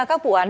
các vụ án